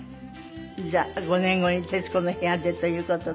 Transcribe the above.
じゃあ５年後に『徹子の部屋』でという事で。